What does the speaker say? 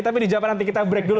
tapi di jawa nanti kita break dulu